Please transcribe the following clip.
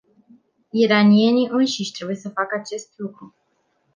Iranienii înșiși trebuie să facă acest lucru.